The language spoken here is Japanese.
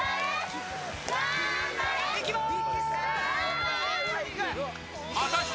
いきまーす。